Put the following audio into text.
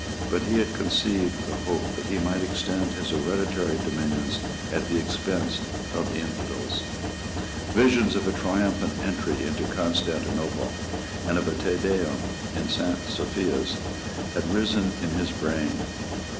But he had conceived the hope that he might extend his hereditary dominions at the expense of the Infidels. Visions of a triumphant entry into Constantinople and of a Te Deum in Saint Sophia's had risen in his brain.